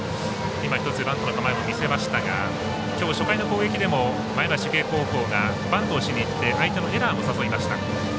今、バントの構えを見せましたがきょう初回の攻撃でも前橋育英高校がバントをしにいって相手のエラーを誘いました。